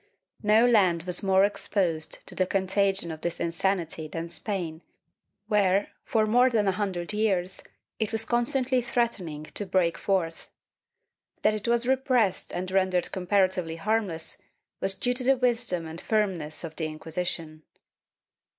No land was more exposed to the contagion of this insanity than Spain where, for more than a hundred years, it was constantly threatening to break forth. That it was repressed and rendered comparatively harmless was due to the wisdom and firmness of the Inquisition.